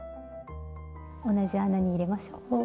同じ穴に入れましょう。